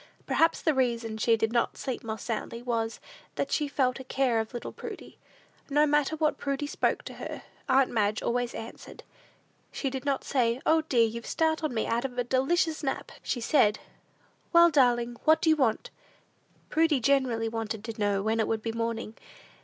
Perhaps the reason she did not sleep more soundly, was, that she felt a care of little Prudy. No matter when Prudy spoke to her, aunt Madge always answered. She did not say, "O, dear, you've startled me out of a delicious nap!" She said, "Well, darling, what do you want?" Prudy generally wanted to know when it would be morning?